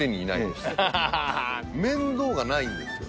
面倒がないんですよ